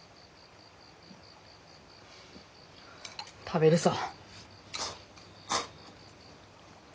食べるさ。